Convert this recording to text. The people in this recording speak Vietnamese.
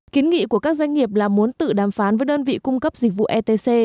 kiến nghị của các doanh nghiệp là muốn tự đàm phán với đơn vị cung cấp dịch vụ etc